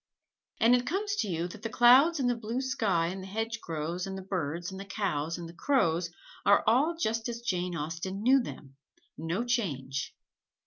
And it comes to you that the clouds and the blue sky and the hedgerows and the birds and the cows and the crows are all just as Jane Austen knew them no change.